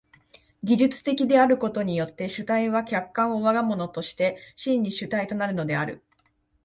技術的であることによって主体は客観を我が物として真に主体となるのである。